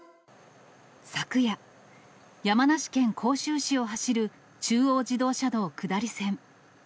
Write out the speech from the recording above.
昨夜、山梨県甲州市を走る中央自動車道下り線。